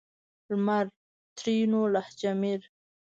لمر؛ ترينو لهجه مير